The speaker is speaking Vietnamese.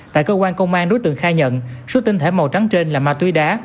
tại cơ quan công an đối tượng khai nhận số tinh thể màu trắng trên là ma túy đá